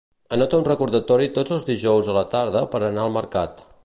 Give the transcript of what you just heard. Anota un recordatori tots els dijous a la tarda per anar al mercat.